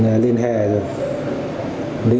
chân dám lên hẻ rồi thấy rực quay lại